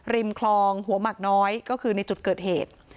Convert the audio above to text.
คลองหัวหมักน้อยก็คือในจุดเกิดเหตุ